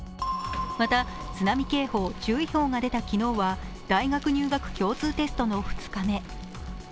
また、津波警報・注意報が出た昨日は大学入学共通テストの２日目。